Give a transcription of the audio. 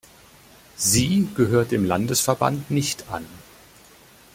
Sie gehört dem Landesverband nicht an.